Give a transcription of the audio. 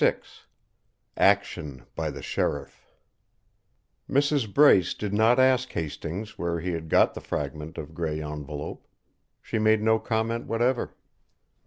VI ACTION BY THE SHERIFF Mrs. Brace did not ask Hastings where he had got the fragment of grey envelope. She made no comment whatever.